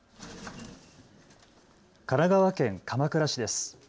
神奈川県鎌倉市です。